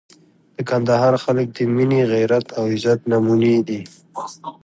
د کندهار خلک د مینې، غیرت او عزت نمونې دي.